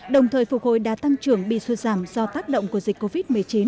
đồng thời phục hồi đã tăng trưởng bị xuất giảm do tác động của dịch covid một mươi chín